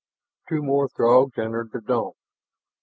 Two more Throgs entered the dome.